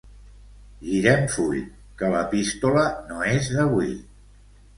Girem full, que l'epístola no és d'avui.